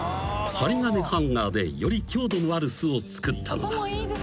針金ハンガーでより強度のある巣を作ったのだ］